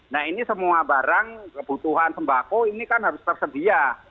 nah ini semua barang kebutuhan sembako ini kan harus tersedia